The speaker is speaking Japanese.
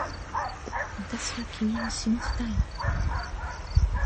私は君を信じたいんだ